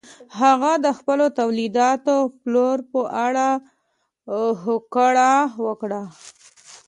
هغه د خپلو تولیداتو پلور په اړه هوکړه وکړه.